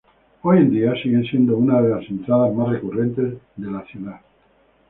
Hoy en día sigue siendo una de las entradas más recurrentes a la ciudad.